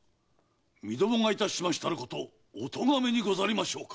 身共がいたしましたることお咎めにございましょうか？